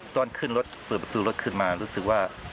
ตอนขึ้นรถเปิดประตูรถขึ้นมารู้สึกว่า